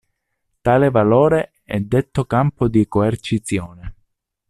Tale valore è detto "campo di coercizione".